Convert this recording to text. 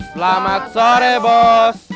selamat sore bos